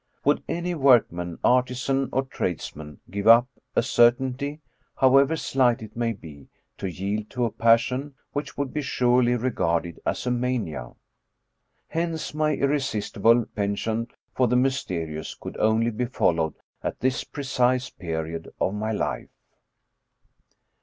Would any workman, artisan, or tradesman give up a certainty, however slight it may be, to yield to a passion which would be surely regarded as a mania? Hence my irresist ible penchant for the mysterious could only be followed at this precise period of my life.